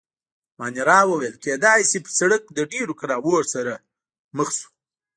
مانیرا وویل: کېدای شي، پر سړک له ډېرو کړاوو سره مخ شو.